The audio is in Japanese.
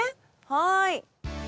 はい。